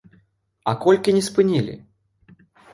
А колькі не спынілі?